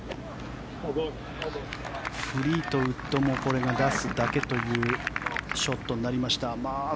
フリートウッドもこれが出すだけというショットになりました。